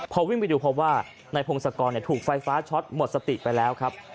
พอวิ่งไปดูพบว่านายพงศกรถูกไฟฟ้าช็อตหมดสติไปแล้วครับ